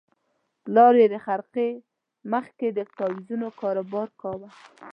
پلار یې د خرقې مخ کې د تاویزونو کاروبار کاوه.